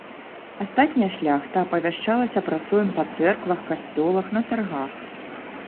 Астатняя шляхта апавяшчалася пра сойм па цэрквах, касцёлах, на таргах.